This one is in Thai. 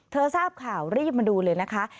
ทราบข่าวรีบมาดูเลยนะคะ